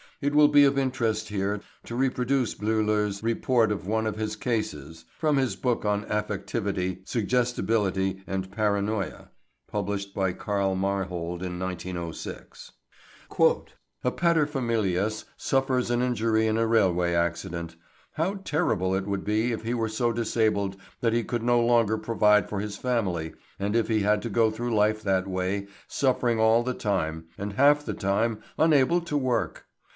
It will be of interest here to reproduce Bleuler's report of one of his cases (from his book on "affectivity, suggestibility, and paranoia," published by Karl Marhold in 1906). "A paterfamilias suffers an injury in a railway accident. How terrible it would be if he were so disabled that he could no longer provide for his family and if he had to go through life that way, suffering all the time, and half the time unable to work!